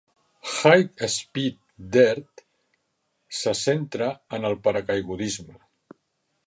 "High Speed Dirt" se centra en el paracaigudisme.